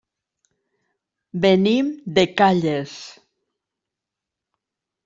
Venim de Calles.